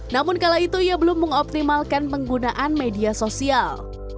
namun kala itu ia belum mengoptimalkan penggunaan media sosial